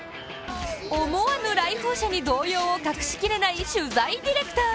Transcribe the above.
思わぬ来訪者に動揺を隠しきれない取材ディレクター。